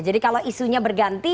jadi kalau isunya berganti